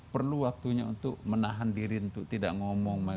perlu waktunya untuk menahan diri untuk tidak ngomong